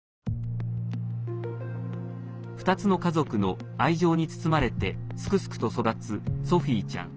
２つの家族の愛情に包まれてすくすくと育つソフィーちゃん。